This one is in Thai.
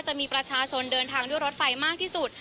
จะมีประชาชนเดินทางด้วยรถไฟมากที่สุด